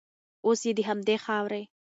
اوس یې د همدې خاورې